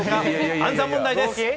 暗算問題です。